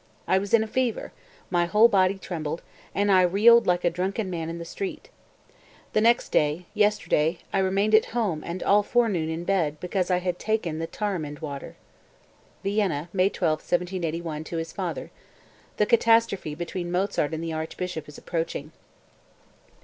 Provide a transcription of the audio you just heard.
I was in a fever, my whole body trembled, and I reeled like a drunken man in the street. The next day, yesterday, I remained at home and all forenoon in bed because I had taken the tamarind water." (Vienna, May 12, 1781, to his father. The catastrophe between Mozart and the archbishop is approaching.)